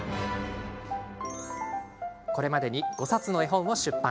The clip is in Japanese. これまでに５冊の絵本を出版。